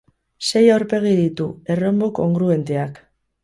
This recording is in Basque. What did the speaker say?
Sei aurpegi ditu: erronbo kongruenteak.